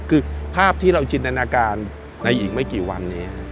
คือภาพที่เราจินตนาการในอีกไม่กี่วันนี้